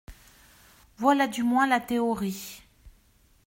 Voilà du moins la théorie.